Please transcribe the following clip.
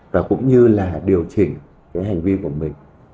và cũng như là điều chỉnh cái hành vi của mình